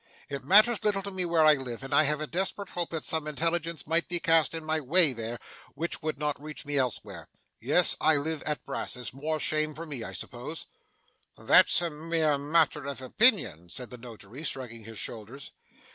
It matters little to me where I live, and I had a desperate hope that some intelligence might be cast in my way there, which would not reach me elsewhere. Yes, I live at Brass's more shame for me, I suppose?' 'That's a mere matter of opinion,' said the Notary, shrugging his shoulders.